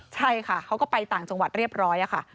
ใช่ค่ะเขาก็ไปต่างจังหวัดเรียบร้อยค่ะ